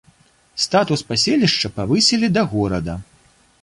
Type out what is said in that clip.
Статус паселішча павысілі да горада.